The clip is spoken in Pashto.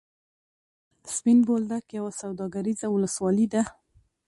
سپین بولدک یوه سوداګریزه ولسوالي ده.